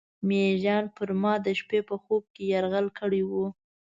میږیانو پر ما د شپې په خوب کې یرغل کړی و.